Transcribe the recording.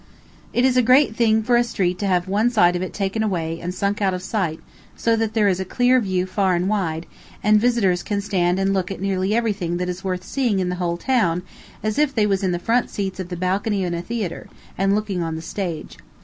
It is a great thing for a street to have one side of it taken away and sunk out of sight so that there is a clear view far and wide, and visitors can stand and look at nearly everything that is worth seeing in the whole town, as if they was in the front seats of the balcony in a theatre, and looking on the stage.